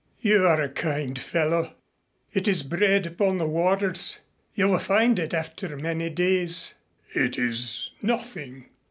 "You are a kind fellow. It is bread upon the waters. You will find it after many days." "It is nothing.